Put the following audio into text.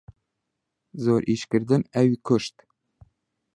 زۆر ئیشکردن ئەوی کوشت.